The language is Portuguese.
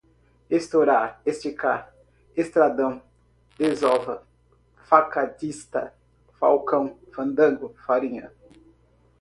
estourar, esticar, estradão, desova, facadista, falcão, fandango, farinha